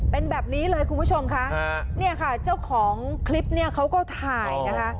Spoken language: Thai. เป็นแบบนี้เลยคุณผู้ชมค่ะเนี่ยค่ะเจ้าของคลิปเนี่ยเขาก็ถ่ายนะคะ